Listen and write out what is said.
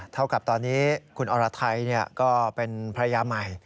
เท่ากับตอนนี้คุณอรไทยก็เป็นภรรยาใหม่